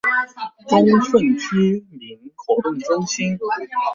忠順區民活動中心